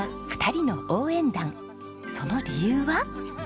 その理由は。